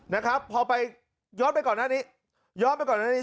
นะครับพอไปย้อนไปก่อนหน้านี้